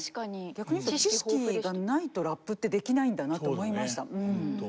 逆に知識がないとラップってできないんだなと思いました。